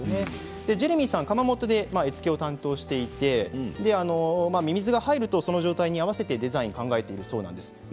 ジェレミーさんは窯元で絵付けを担当していてミミズが入るとその状態に合わせてデザインを考えているそうです。